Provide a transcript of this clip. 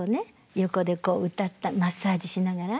横でこう歌ったマッサージしながら。